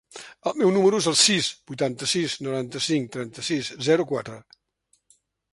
El meu número es el sis, vuitanta-sis, noranta-cinc, trenta-sis, zero, quatre.